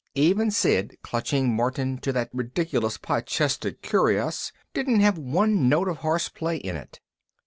Even Sid clutching Martin to that ridiculous pot chested cuirass didn't have one note of horseplay in it.